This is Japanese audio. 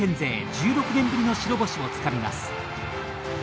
１６年ぶりの白星をつかみます。